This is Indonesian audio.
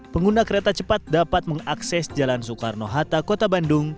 pengguna kereta cepat dapat mengakses jalan soekarno hatta kota bandung